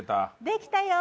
できたよ。